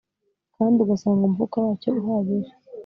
Kandi ugasanga umufuka wacyo uhagije